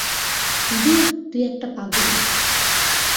দূর, তুই একটা পাগল!